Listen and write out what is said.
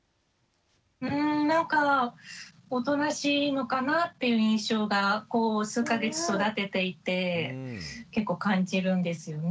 うんなんかおとなしいのかなっていう印象がこう数か月育てていて結構感じるんですよね。